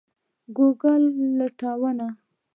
ګوګل لټون